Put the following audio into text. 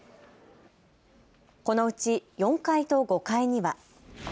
このうち４階と５階には。